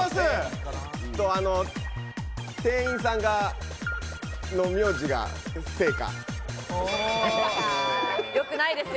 店員さんの名字が聖火。